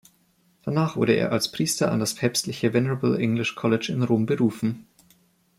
Danach wurde er als Priester an das Päpstliche "Venerable English College" in Rom berufen.